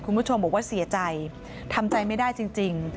คุณผู้ชมบอกว่าเสียใจทำใจไม่ได้จริง